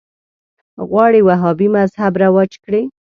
غواړي وهابي مذهب رواج کړي